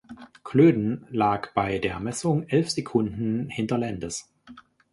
Klöden lag bei der Messung elf Sekunden hinter Landis.